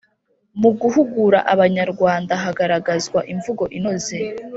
Mu guhugura Abanyarwanda, hagaragazwa imvugo inoze